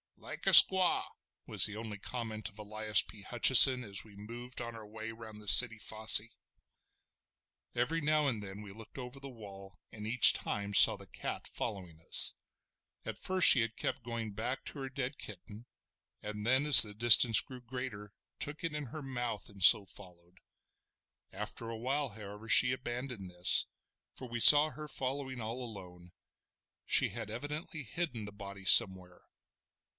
"Like a squaw!" was the only comment of Elias P. Hutcheson, as we moved on our way round the city fosse. Every now and then we looked over the wall and each time saw the cat following us. At first she had kept going back to the dead kitten, and then as the distance grew greater took it in her mouth and so followed. After a while, however, she abandoned this, for we saw her following all alone; she had evidently hidden the body somewhere.